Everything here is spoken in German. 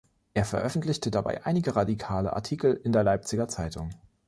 Er veröffentlichte dabei einige radikale Artikel in der Leipziger Zeitung.